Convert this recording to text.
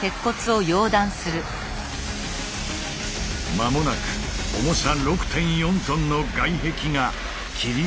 間もなく重さ６．４ｔの外壁が切り離される。